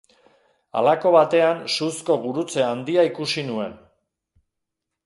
Halako batean suzko gurutze handia ikusi nuen.